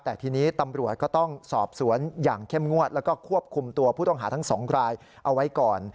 แต่ทีนี้ตำรวจก็ต้องสอบสวนอย่างเข้มงวดแล้วก็ควบคุมตัวผู้ต้องหาทั้งสองรายเอาไว้ก่อน